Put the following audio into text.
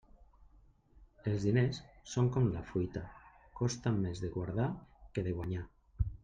Els diners són com la fruita, costen més de guardar que de guanyar.